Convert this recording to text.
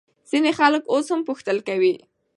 ځینې خلک اوس هم پوښتل کوي.